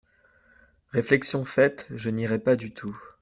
Réflexion faite, je n'irai pas du tout.